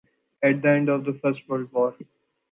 At the end of the First World War.